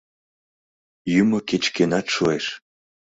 Йӱмӧ кеч-кӧнат шуэш...